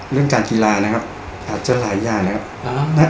เรื่องการกีฬานะครับอาจจะหลายอย่างนะครับ